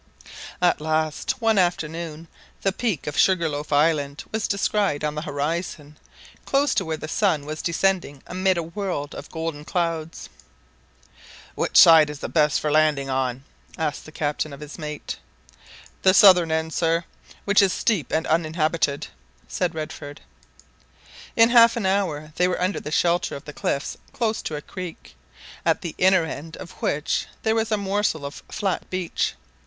At last, one afternoon, the peak of Sugar loaf Island was descried on the horizon, close to where the sun was descending amid a world of golden clouds. "Which side is the best for landing on!" asked the captain of his mate. "The southern end, sir, which is steep and uninhabited," said Redford. In half an hour they were under the shelter of the cliffs close to a creek, at the inner end of which there was a morsel of flat beach.